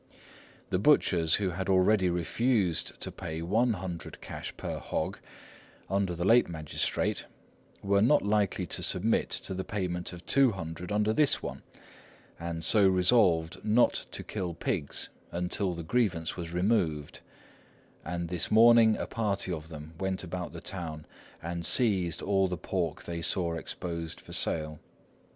The butchers, who had already refused to pay 100 cash per hog, under the late magistrate, were not likely to submit to the payment of 200 under this one, and so resolved not to kill pigs until the grievance was removed; and this morning a party of them went about the town and seized all the pork they saw exposed for sale.